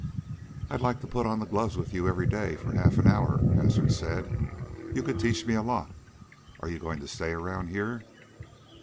"I'd like to put on the gloves with you every day for half an hour," Hazard said. "You could teach me a lot. Are you going to stay around here?"